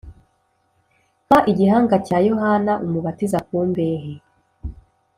Mpa igihanga cya Yohana Umubatiza ku mbehe